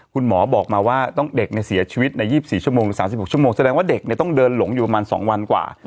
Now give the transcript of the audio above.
คุณหมอบอกมาว่าต้องเด็กเสียชีวิตใน๒๔ชั่วโมงหรือ๓๖ชั่วโมงแสดงว่าเด็กต้องเดินหลงอยู่ประมาณ๒วันกว่า